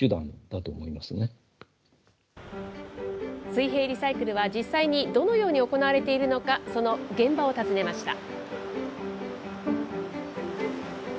水平リサイクルは実際に、どのように行われているのか、その現場を訪ねました。